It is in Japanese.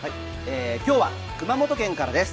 今日は熊本県からです。